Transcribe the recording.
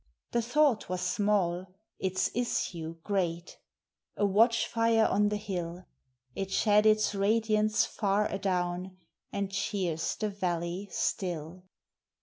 The thought was small; its issue great; a watch fire on the hill, It shed its radiance far adown, and cheers the valley still!